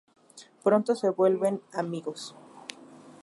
Pronto se vuelven amigos.